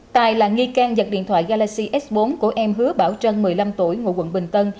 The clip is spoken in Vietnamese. tài là nghi can giật điện thoại galaxy s bốn của em hứa bảo trân một mươi năm tuổi ngụ quận bình tân